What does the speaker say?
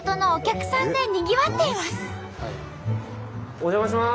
お邪魔します。